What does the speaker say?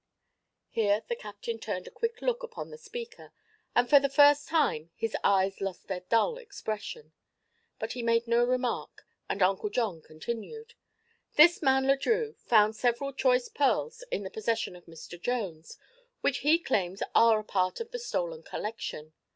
Here the captain turned a quick look upon the speaker and for the first time his eyes lost their dull expression. But he made no remark and Uncle John continued: "This man Le Drieux found several choice pearls in the possession of Mr. Jones, which he claims are a part of the stolen collection.